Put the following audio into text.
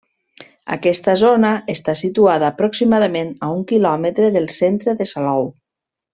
Aquesta zona està situada aproximadament a un quilòmetre del centre de Salou.